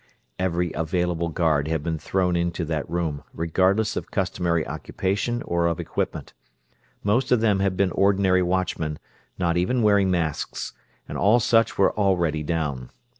Every available guard had been thrown into that room, regardless of customary occupation or of equipment. Most of them had been ordinary watchmen, not even wearing masks, and all such were already down.